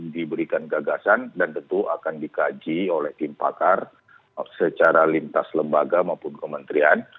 diberikan gagasan dan tentu akan dikaji oleh tim pakar secara lintas lembaga maupun kementerian